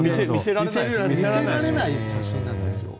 見せられない写真なんですよ。